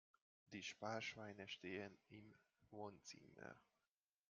Die Sparschweine stehen im Wohnzimmer.